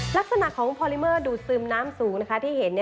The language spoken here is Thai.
ลักษณะของพอลิเมอร์ดูดซึมน้ำสูงที่เห็น